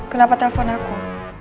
kenapa telepon aku